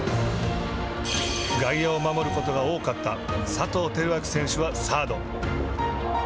外野を守ることが多かった佐藤輝明選手はサード。